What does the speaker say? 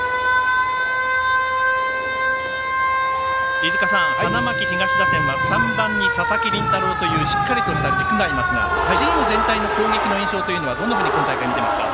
飯塚さん、花巻東打線は３番に佐々木麟太郎というしっかりとした軸がありますがチーム全体の攻撃の印象というのはどういうふうに今大会、見ていますか？